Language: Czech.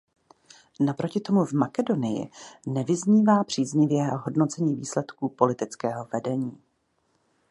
Naproti tomu v Makedonii nevyznívá příznivě hodnocení výsledků politického vedení.